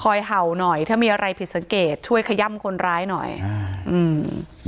เห่าหน่อยถ้ามีอะไรผิดสังเกตช่วยขย่ำคนร้ายหน่อยอ่าอืม